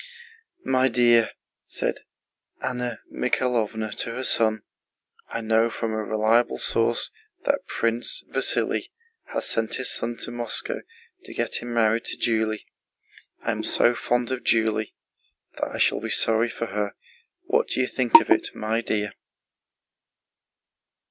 "My dear," said Anna Mikháylovna to her son, "I know from a reliable source that Prince Vasíli has sent his son to Moscow to get him married to Julie. I am so fond of Julie that I should be sorry for her. What do you think of it, my dear?"